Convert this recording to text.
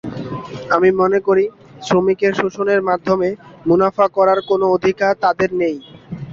আমি মনে করি, শ্রমিকদের শোষণের মাধ্যমে মুনাফা করার কোনো অধিকার তাঁদের নেই।